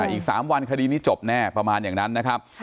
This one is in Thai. อีก๓วันคดีนี้จบแน่ประมาณอย่างนั้นนะครับ